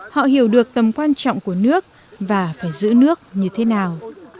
họ hiểu được tầm quan trọng của nước và phải giữ nước như thế nào